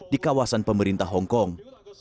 di kawasan pemerintah hong kong